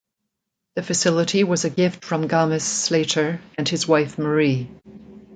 The facility was a gift from Games Slayter and his wife Marie.